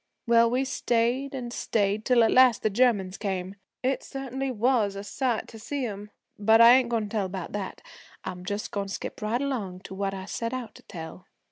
Well, we stayed and stayed, till at last the Germans came. It certainly was a sight to see 'em but I ain't goin' to tell about that, I'm just goin' to skip right along to what I set out to tell.